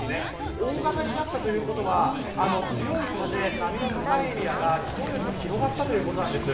大型になったということは強い風、波の高いエリアが昨日よりも広がったということなんです。